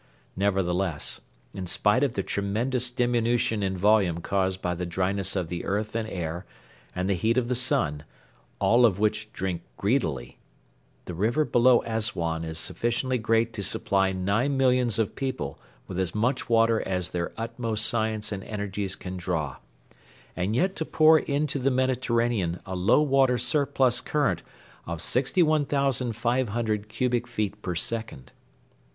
Nevertheless, in spite of the tremendous diminution in volume caused by the dryness of the earth and air and the heat of the sun all of which drink greedily the river below Assuan is sufficiently great to supply nine millions of people with as much water as their utmost science and energies can draw, and yet to pour into the Mediterranean a low water surplus current of 61,500 cubic feet per second.